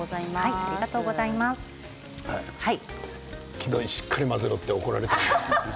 昨日、しっかり混ぜろって怒られたんです。